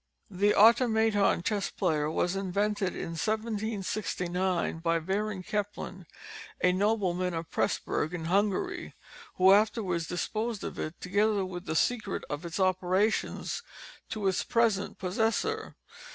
The Automaton Chess Player was invented in 1769, by Baron Kempelen, a nobleman of Presburg, in Hungary, who afterwards disposed of it, together with the secret of its operations, to its present possessor.